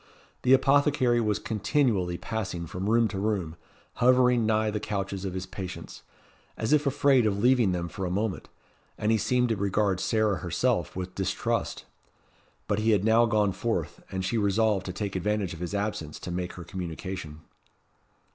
The apothecary was continually passing from room to room, hovering nigh the couches of his patients, as if afraid of leaving them for a moment, and he seemed to regard Sarah herself with distrust. But he had now gone forth, and she resolved to take advantage of his absence to make her communication.